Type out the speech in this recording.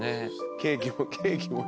ケーキもケーキも。